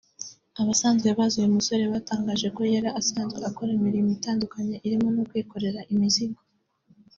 Abasanzwe bazi uyu musore batangaje ko yari asanzwe akora imirimo itandukanye irimo no kwikorera imizigo